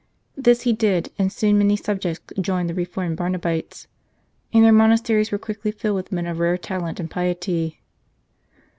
This he did, and soon many subjects joined the reformed Barnabites, and their monasteries were quickly filled with men of rare talent and piety.